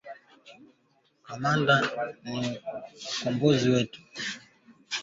Hii ni kwa kuongeza sauti za wanawake, pamoja na kuwashirikisha zaidi vijana.